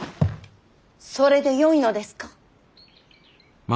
それでよいのですか。